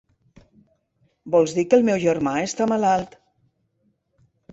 Vols dir que el meu germà està malalt?